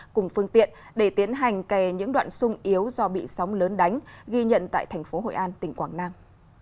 cùng phương tiện để tiến hành kè những đoạn sung yếu do bị sóng lớn đánh ghi nhận tại tp hội an tỉnh quảng nang